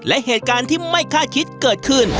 และเหตุการณ์ที่ไม่คาดคิดเกิดขึ้น